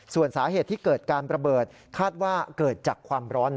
ส่วนสาเหตุที่เกิดการระเบิดคาดว่าเกิดจากความร้อน